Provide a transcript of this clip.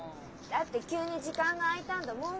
だって急に時間が空いたんだもん。